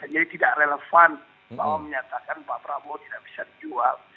jadi tidak relevan mau menyatakan pak prabowo tidak bisa dijual